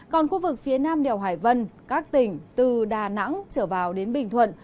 còn khu vực phía nam đèo hải vân các tỉnh từ đà nẵng trở vào đến bình thuận